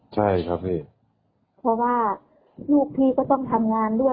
ใช่ครับพี่เพราะว่าลูกพี่ก็ต้องทำงานด้วย